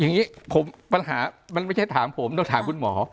อย่างนี้ปัญหามันไม่ใช่ถามผมต้องถามคุณหมอ